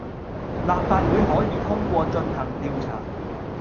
立法會可以通過進行調查